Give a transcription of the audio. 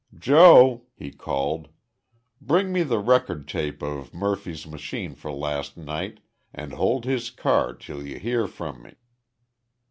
"Joe," he called, "bring me the record tape of Murphy's machine for last night and hold his car till you hear from me."